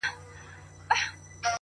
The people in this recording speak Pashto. بریا له تمرین سره وده کوي؛